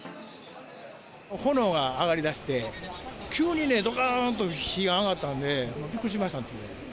炎が上がりだして、急にね、どかんと火、上がったんで、びっくりしましたね。